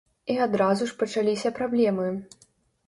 І адразу ж пачаліся праблемы.